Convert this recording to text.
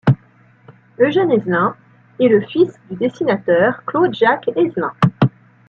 Eugène Aizelin est le fils du dessinateur Claude-Jacques Aizelin.